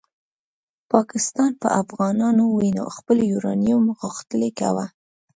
پاکستان په افغانانو وینو خپل یورانیوم غښتلی کاوه.